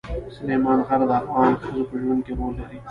سلیمان غر د افغان ښځو په ژوند کې رول لري.